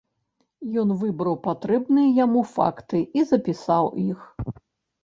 Ён выбраў патрэбныя яму факты і запісаў іх.